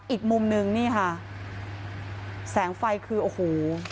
อีกมุมนึงนี่ค่ะแสงไฟคือโอ้โห